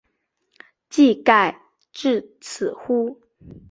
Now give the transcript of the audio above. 技盖至此乎？